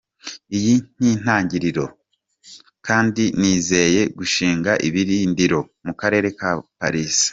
Iyi ni intangiriro, kandi nizeye gushinga ibirindiro mu karere ka Pallisa.